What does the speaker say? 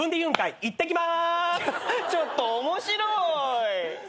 ちょっと面白ーい。